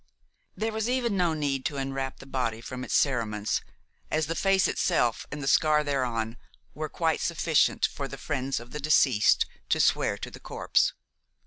There was even no need to unwrap the body from its cerements, as the face itself, and the scar thereon, were quite sufficient for the friends of the deceased to swear to the corpse.